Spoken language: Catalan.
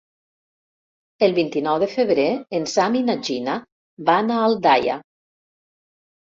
El vint-i-nou de febrer en Sam i na Gina van a Aldaia.